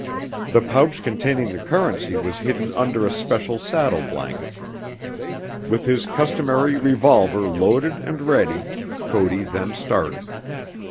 The pouch containing the currency was hidden under a special saddle blanket. With his customary revolver loaded and ready, Cody then started.